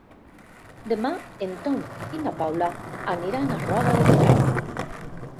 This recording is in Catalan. Demà en Tom i na Paula aniran a Roda de Berà.